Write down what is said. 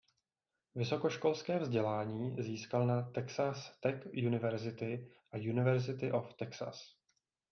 Vysokoškolské vzdělání získal na Texas Tech University a University of Texas.